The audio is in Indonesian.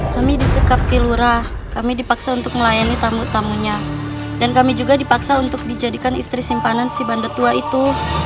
kami disekap di lurah kami dipaksa untuk melayani tamu tamunya dan kami juga dipaksa untuk dijadikan istri simpanan si banda tua itu